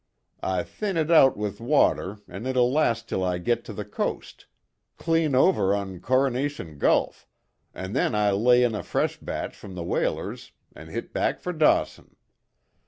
I thin it out with water an' it'll last till I git to the coast clean over on Coronation Gulf, an' then I lay in a fresh batch from the whalers an' hit back fer Dawson.